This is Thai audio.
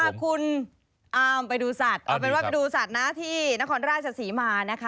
คุณอามไปดูสัตว์เอาเป็นว่าไปดูสัตว์นะที่นครราชศรีมานะคะ